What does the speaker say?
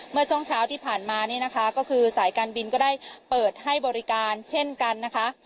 เมื่อช่วงเช้าที่ผ่านมานี่นะคะก็คือสายการบินก็ได้เปิดให้บริการเช่นกันนะคะ